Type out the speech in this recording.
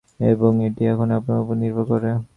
এবং এটি এখন আপনার উপর নির্ভর করে।